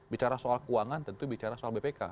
bicara soal keuangan tentu bicara soal bpk